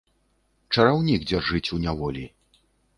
Чараўнік дзяржыць ў няволі.